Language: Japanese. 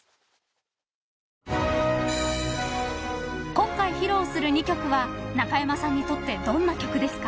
［今回披露する２曲は中山さんにとってどんな曲ですか？］